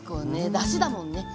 だしだもんねはい。